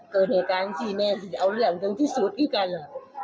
เกิดเหตุการณ์ที่แน่ที่จะเอาเรื่องถึงที่สุดอีกกัน